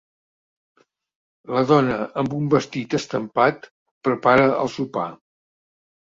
La dona amb un vestit estampat prepara el sopar.